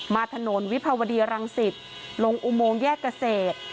ถนนวิภาวดีรังสิตลงอุโมงแยกเกษตร